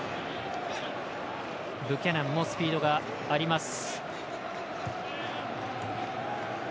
ブキャナンもスピードがあります。